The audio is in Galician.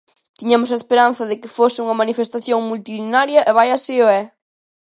Tiñamos a esperanza de que fose unha manifestación multitudinaria e vaia se o é!